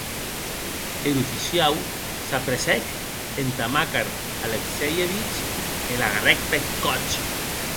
Er oficiau s’apressèc entà Makar Alexeieivic e l’agarrèc peth còth.